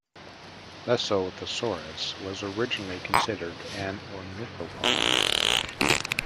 "Lesothosaurus" was originally considered an ornithopod.